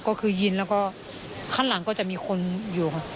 ก็คือยินแล้วก็ข้างหลังก็จะมีคนอยู่ค่ะ